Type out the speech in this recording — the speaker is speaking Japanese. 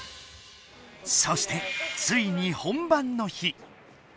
そしてついに本番の日。